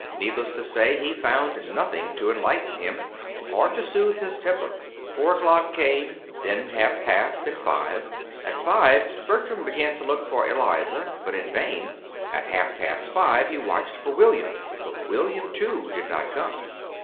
Needless to say, he found nothing to enlighten him, or to soothe his temper. Four o'clock came, then half past, and five. At five Bertram began to look for Eliza, but in vain. At half past five he watched for William; but William, too, did not come.